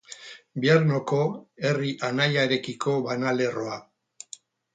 Biarnoko herri anaiarekiko banalerroa.